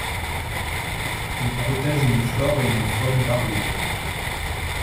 Il protège une flore et une faune variées.